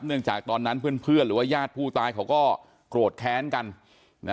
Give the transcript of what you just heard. จากตอนนั้นเพื่อนหรือว่าญาติผู้ตายเขาก็โกรธแค้นกันนะ